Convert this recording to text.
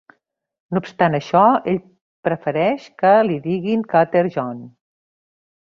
No obstant això, ell prefereix que li diguin Cutter John.